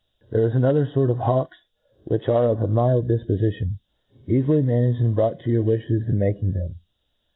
There is another fort of hawks which are of a mild difpofition, eafily managed, and brought to your wiflies in making them.